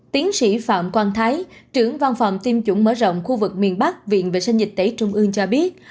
tiến sĩ phạm quang thái trưởng văn phòng tiêm chủng mở rộng khu vực miền bắc viện vệ sinh dịch tễ trung ương cho biết